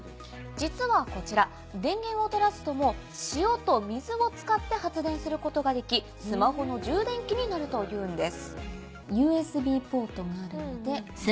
実はこちら電源を取らずとも塩と水を使って発電することができスマホの充電器になるというんです。